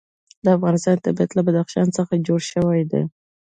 د افغانستان طبیعت له بدخشان څخه جوړ شوی دی.